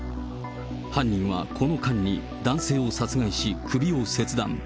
犯人はこの間に男性を殺害し、首を切断。